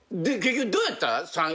結局どうやった？